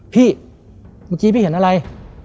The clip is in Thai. พี่เมื่อกี้พี่เห็นอะไร